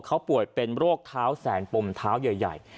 เขาป่วยเป็นโรคเท้าแสนปมเท้าใหญ่